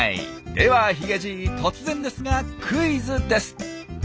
ではヒゲじい突然ですがクイズです！